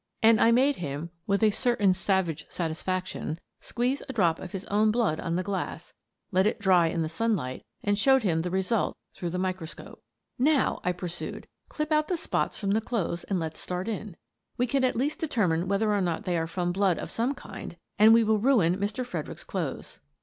And I made him, with a certain savage satisfac tion, squeeze a drop of his own blood on the glass, let it dry in the sunlight, and showed him the result through the microscope. " Now," I pursued, " clip out the spots from the clothes and let's start in. We can at least determine whether or not they are from blood of some kind — and we will ruin Mr. Fredericks's clothes."